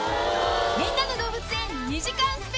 『みんなの動物園』２時間ＳＰ